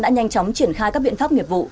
đã nhanh chóng triển khai các biện pháp nghiệp vụ